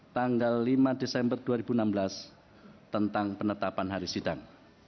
tanggal lima desember dua ribu enam belas tentang penetapan hari sidang